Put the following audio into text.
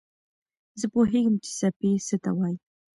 زه پوهېږم چې څپې څه ته وايي.